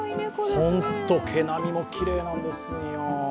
ホント、毛並みもきれいなんですよ。